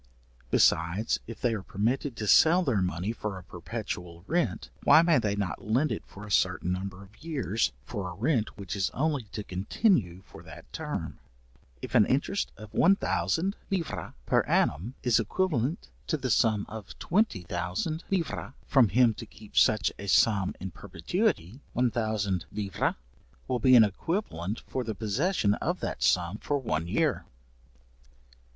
Besides, if they are permitted to sell their money for a perpetual rent, why may they not lend it for a certain number of years, for a rent which is only to continue for that term? If an interest of 1000 livres per annum is equivalent to the sum of 20000 livres from him to keep such a sum in perpetuity, 1000 livres will be an equivalent for the possession of that sum for one year.